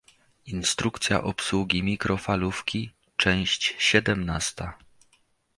Instrukcja obsługi mikrofalówki, część siedemnasta.